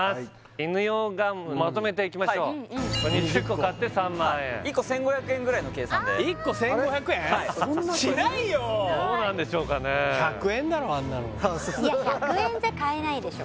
犬用ガムまとめていきましょうはいこれ２０個買って３万円１個１５００円ぐらいの計算で１個１５００円？しないよ１００円だろあんなのいや１００円じゃ買えないでしょ・